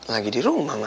lagi di rumah ma